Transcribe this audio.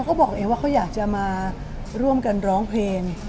เขาบอกเองว่าเขาอยากจะมาร่วมกันร้องเพลง